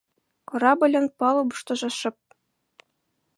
Корабльын палубыштыжо шып.